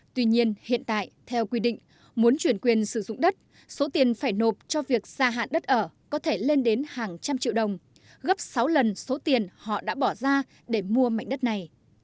tuy nhiên hiện tại theo quy định muốn chuyển quyền sử dụng đất số tiền phải nộp cho việc gia hạn đất ở có thể lên đến hàng trăm triệu đồng gấp sáu lần số tiền họ đã bỏ ra để mua mảnh đất này